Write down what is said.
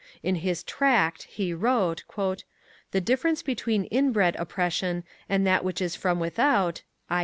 In his Tract he wrote: The difference between inbred oppression and that which is from without [i.